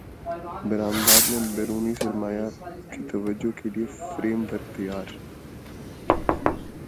برامدات میں بیرونی سرمایہ کی توجہ کیلئے فریم ورک تیار